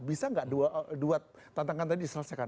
bisa gak dua tantangannya diselesaikan